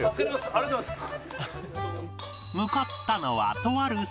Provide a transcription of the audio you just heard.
ありがとうございます！